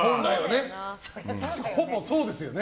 ほぼそうですよね。